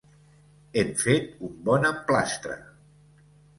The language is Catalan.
Hem fet un bon emplastre.